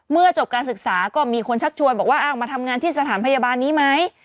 จบการศึกษาก็มีคนชักชวนบอกว่าอ้าวมาทำงานที่สถานพยาบาลนี้ไหม